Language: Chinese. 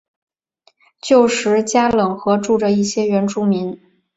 旧时加冷河住着一些原住民。